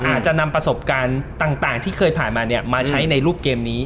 อาจจะนำประสบการณ์ต่างที่เคยผ่านมามาใช้ในรูปเกมนี้